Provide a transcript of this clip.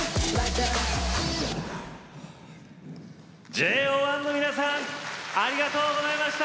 ＪＯ１の皆さんありがとうございました。